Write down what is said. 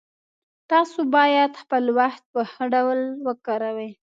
تاسو باید خپل وخت په ښه ډول وکاروئ